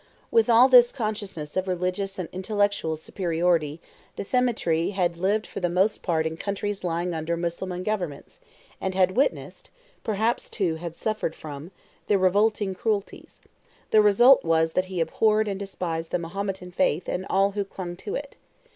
With all this consciousness of religious and intellectual superiority Dthemetri had lived for the most part in countries lying under Mussulman governments, and had witnessed (perhaps too had suffered from) their revolting cruelties: the result was that he abhorred and despised the Mahometan faith and all who clung to it.